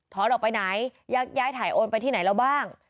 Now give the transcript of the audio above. ออกไปไหนยักย้ายถ่ายโอนไปที่ไหนแล้วบ้าง